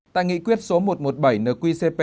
tại nghị quyết số một trăm một mươi bảy nqcp